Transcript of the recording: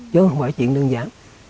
chứ không phải chuyện đơn giản